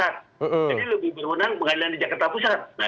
jadi lebih berwenang pengadilan di jakarta pusat